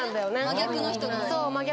真逆の人。